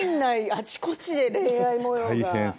あちこちで恋愛もようが。